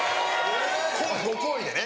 ご厚意でね。